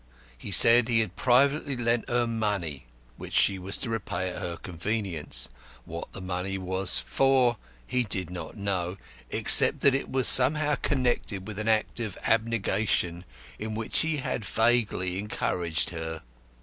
He said he had privately lent her money which she was to repay at her convenience. What the money was for he did not know, except that it was somehow connected with an act of abnegation in which he had vaguely encouraged her.